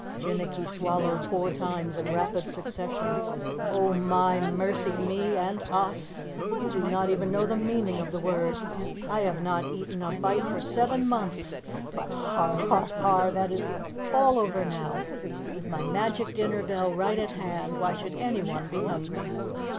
Jinnicky swallowed four times in rapid succession. "Oh, my, mercy me and us! You do not even know the meaning of the word! I have not eaten a bite for seven months! But, har, har, har! That is all over now. With my magic dinner bell right at hand, why should anyone be hungry?